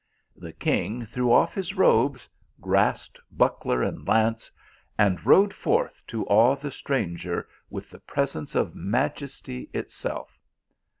The king threw off his robes, grasped buckler and lance, and rode forth to awe the stranger with the presence of majesty itself.